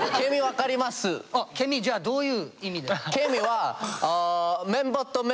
あっケミじゃあどういう意味で。